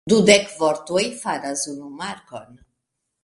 Dudek vortoj faras unu markon.